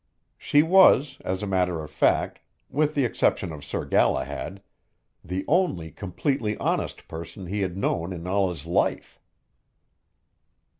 She was, as a matter of fact with the exception of Sir Galahad the only completely honest person he had known in all his life.